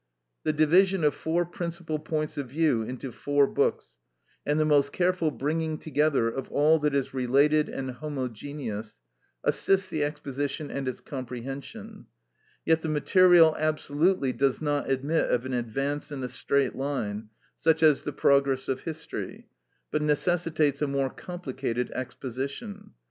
The division of four principal points of view into four books, and the most careful bringing together of all that is related and homogeneous, assists the exposition and its comprehension; yet the material absolutely does not admit of an advance in a straight line, such as the progress of history, but necessitates a more complicated exposition.